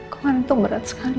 kan itu berat sekali